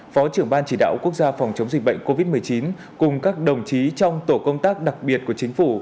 phó trưởng ban chỉ đạo quốc gia phòng chống dịch bệnh covid một mươi chín cùng các đồng chí trong tổ công tác đặc biệt của chính phủ